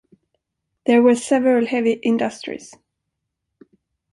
There were several heavy industries.